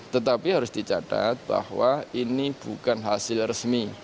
tetapi harus dicatat bahwa ini bukan hasil resmi